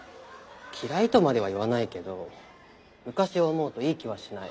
嫌いとまでは言わないけど昔を思うといい気はしない。